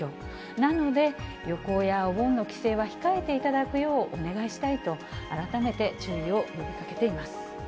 なので、旅行やお盆の帰省は控えていただくようお願いしたいと改めて注意を呼びかけています。